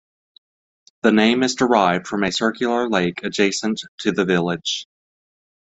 The name is derived from a circular lake adjacent to the village.